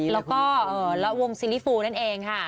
แล้วก็วงซีรีสูนั่นเองค่ะ